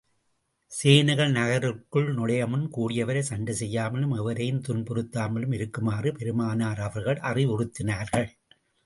சேனைகள் நகருக்குள் நுழையுமுன், கூடியவரை சண்டை செய்யாமலும் எவரையும் துன்புறுத்தாமலும் இருக்குமாறு பெருமானார் அவர்கள் அறிவுறுத்தினார்கள்.